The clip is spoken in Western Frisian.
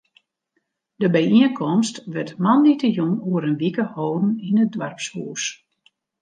De byienkomst wurdt moandeitejûn oer in wike holden yn it doarpshûs.